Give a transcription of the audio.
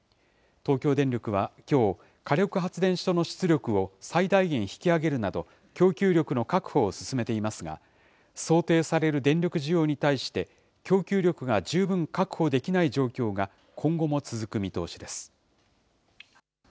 東京電力はきょう、火力発電所の出力を最大限引き上げるなど、供給力の確保を進めていますが、想定される電力需要に対して、供給力が十分確保できない状況が今後も続く見通しです。